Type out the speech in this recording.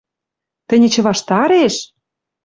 Тӹнь эче ваштареш?!.